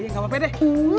gak apa apa deh